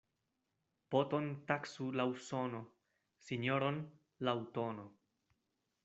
Poton taksu laŭ sono, sinjoron laŭ tono.